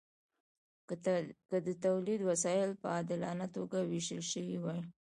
که د تولید وسایل په عادلانه توګه ویشل شوي وای.